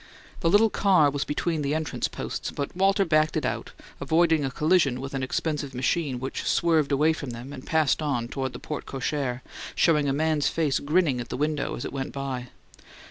The little car was between the entrance posts; but Walter backed it out, avoiding a collision with an impressive machine which swerved away from them and passed on toward the porte cochere, showing a man's face grinning at the window as it went by.